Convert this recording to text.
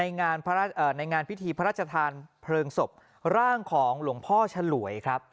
งานในงานพิธีพระราชทานเพลิงศพร่างของหลวงพ่อฉลวยครับ